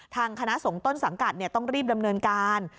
ทางคณะสงฆ์ต้นสังกัดต้องรีบดำเนินการ